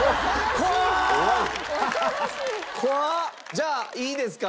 じゃあいいですか？